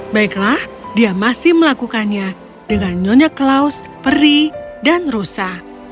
baiklah dia masih melakukannya dengan nyonya claus peri dan rusa